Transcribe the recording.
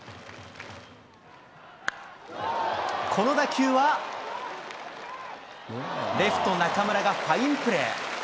この打球は、レフト、中村がファインプレー。